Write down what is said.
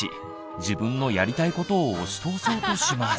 自分のやりたいことを押し通そうとします。